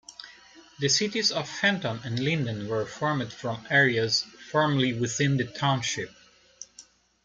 The cities of Fenton and Linden were formed from areas formerly within the township.